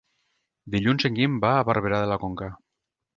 Dilluns en Guim va a Barberà de la Conca.